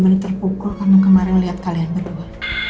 bener bener terpukul karena kemarin liat kalian berdua